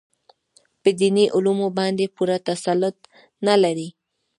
په دیني علومو باندې پوره تسلط نه لري.